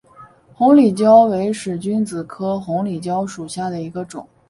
红里蕉为使君子科红里蕉属下的一个种。